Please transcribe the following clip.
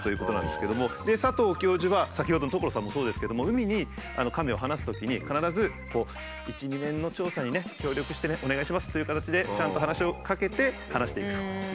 で佐藤教授は先ほどのトコロサンもそうですけども海にカメを放すときに必ず「１２年の調査にね協力してねお願いします」という形でちゃんと話しかけて放していくと。面白い！